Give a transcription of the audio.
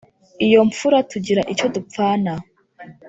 iyo mfura tugira icyo dupfana